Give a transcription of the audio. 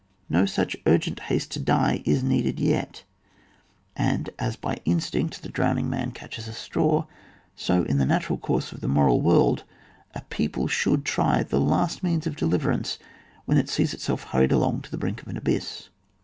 No such urgent haste to die is needed yet ; and as by instinct the drowning VOL. n. N man catches at a straw, so in the natural course of the moral world a people should try the last means of deliverance when it sees itself hurried along to the brink of an abyss.